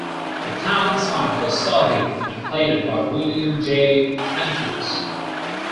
The town site was surveyed and platted by William J. Hankins.